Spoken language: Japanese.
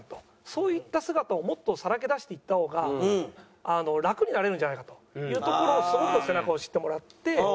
そういった姿をもっとさらけ出していった方が楽になれるんじゃないかというところをすごく背中を押してもらって。